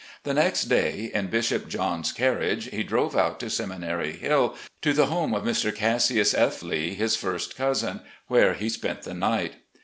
The next day, in Bishop Johns' carriage, he drove out to Seminary Hill to the home of Mr. Cassius F. Lee, his first cousin, where he spent the night.